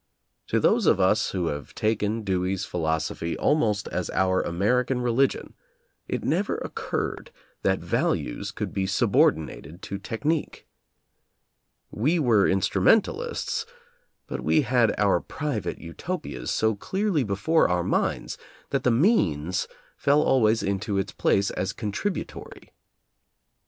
* To those of us who have taken Dewey's philos ophy almost as our American religion, it never occurred that values could be subordinated to technique. We were instrumentalists, but we had our private Utopias so clearly before our minds that the means fell always into its place as con tributory.